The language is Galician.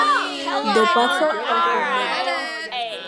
Do pazo ao convento.